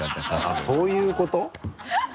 あぁそういうこと？